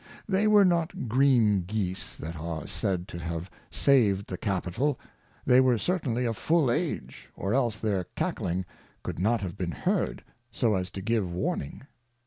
They were not Green Geese that are said to have sav'd the Capitol ; they were certainly of full Age, or else their Cackling could not have been heard, so as to give warning.